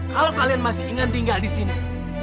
kalau kalian masih ingin tinggal disini